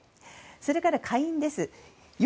それから下院です。